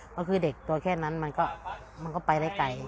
ก็คือเด็กตัวแค่นั้นมันก็ไปได้ไกล